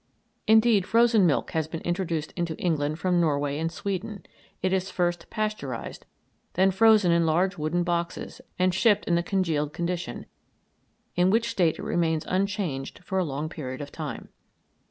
Indeed, frozen milk has been introduced into England from Norway and Sweden. It is first Pasteurised, then frozen in large wooden boxes, and shipped in the congealed condition, in which state it remains unchanged for a long period of time.